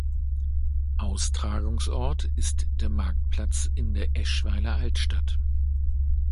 Austragungsort ist der Marktplatz in der Eschweiler Altstadt.